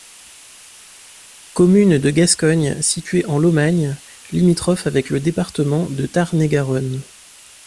Commune de Gascogne située en Lomagne, limitrophe avec le département de Tarn-et-Garonne.